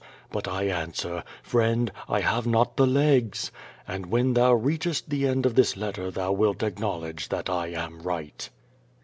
But I answer: "Friend, I have not the legs!'' And when thou reach est the end of this letter thou wilt acknowledge that I am right.